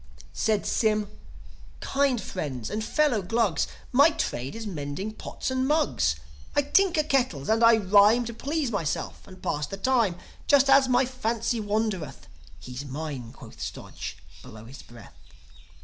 Said Sym: "Kind friends, and fellow Glugs; My trade is mending pots and mugs. I tinker kettles, and I rhyme To please myself and pass the time, Just as my fancy wandereth." ("He's minel" quoth Stodge, below his breath.)